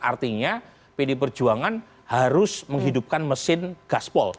artinya pd perjuangan harus menghidupkan mesin gaspol